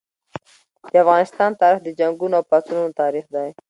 د افغانستان تاریخ د جنګونو او پاڅونونو تاریخ دی.